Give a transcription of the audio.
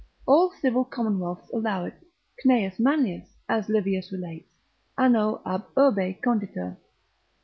All civil Commonwealths allow it: Cneius Manlius (as Livius relates) anno ab urb. cond. 567.